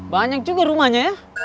banyak juga rumahnya ya